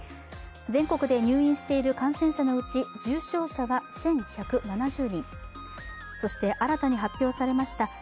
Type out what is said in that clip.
全国で入院している感染者のうち重症者は１１７０人、そして新たに発表されました